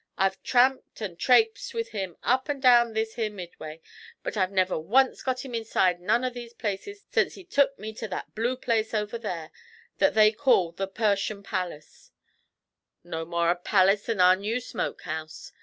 I've tramped and traipsed with him up and down this here Midway, but I've never once got him inside none of these places sense he took me to that blue place over there that they call the Pershun Palis; no more a palis than our new smoke house.